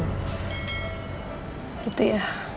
kami tetap jalankan sesuai peraturan yang berlaku